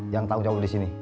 yang tahu jawab disini